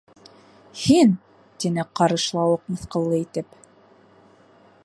—Һин! —тине Ҡарышлауыҡ мыҫҡыллы итеп.